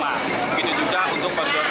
begitu juga untuk koridor tujuh